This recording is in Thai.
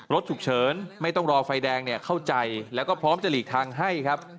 รถฉุกเฉินไม่ต้องรอไฟแดงเข้าใจแล้วก็พร้อมจะหลีกทางให้ครับ